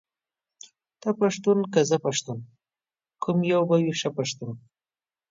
ته پښتون که زه پښتون ، کوم يو به وي ښه پښتون ،